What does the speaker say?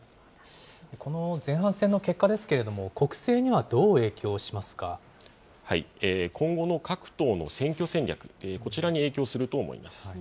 この前半戦の結果ですけれど今後の各党の選挙戦略、こちらに影響すると思います。